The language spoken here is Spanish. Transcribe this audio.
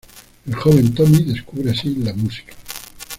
El joven Tommy descubre así la música.